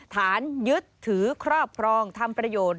ฐานยึดถือครอบครองทำประโยชน์